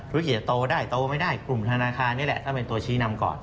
จะโตได้โตไม่ได้กลุ่มธนาคารนี่แหละต้องเป็นตัวชี้นำก่อน